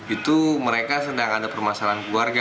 itu mereka sedang ada permasalahan keluarga